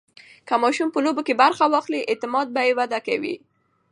که ماشوم په لوبو کې برخه واخلي، اعتماد یې وده کوي.